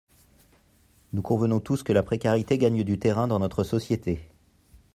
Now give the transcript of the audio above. Nous convenons tous que la précarité gagne du terrain dans notre société.